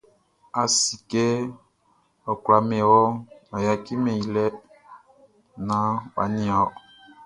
Nnɛn nga a si kɛ ɔ kwla min wɔʼn, ɔ yaciman ɔ lɛ naan ɔ ɲin ɔ.